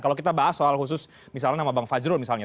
kalau kita bahas soal khusus misalnya nama bang fajrul misalnya